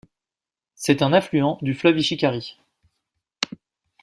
C'est un affluent du fleuve Ishikari.